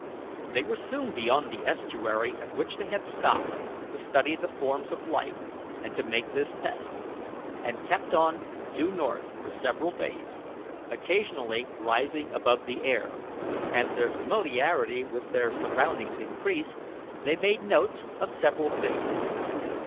They were soon beyond the estuary at which they had stopped to study the forms of life and to make this test, and kept on due north for several days, occasionally rising above the air. As their familiarity with their surroundings increased, they made notes of several things.